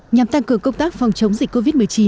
nhằm tăng cường công tác phòng chống dịch covid một mươi chín